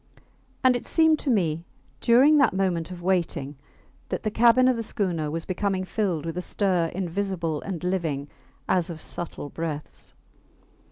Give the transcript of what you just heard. And it seemed to me, during that moment of waiting, that the cabin of the schooner was becoming filled with a stir invisible and living as of subtle breaths.